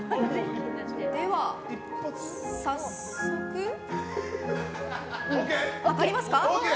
では、早速量りますか。